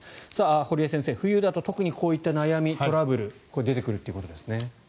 堀江先生、冬だと特にこういった悩み、トラブルが出てくるということですね。